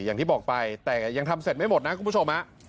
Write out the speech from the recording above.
อย่างที่บอกไปแต่ยังทำเสร็จไม่หมดนะคุณผู้ชมฮะ